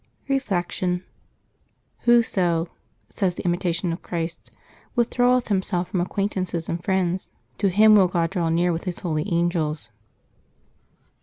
Reflection. — "Whoso," says the Imitation of Christ, "withdraweth himself from acquaintances and friends, to him "will Grod draw near with His holy angels."